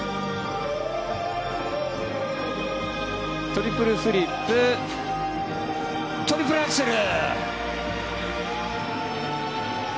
トリプルフリップトリプルアクセル！